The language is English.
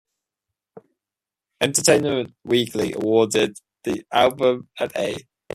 "Entertainment Weekly" awarded the album an "A".